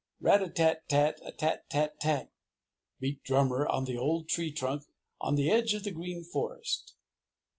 Rat a tat tat a tat tat, beat Drummer on the old tree trunk on the edge of the Green Forest.